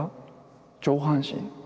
上半身？